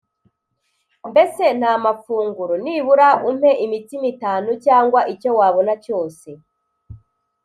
Mbese nta mafunguro? Nibura umpe imitsima itanu cyangwa icyo wabona cyose.